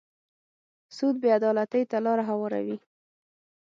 سود بې عدالتۍ ته لاره هواروي.